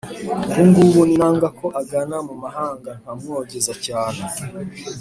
Ubu ngubu ninangaKo agana mu mahangaNkamwogeza cyane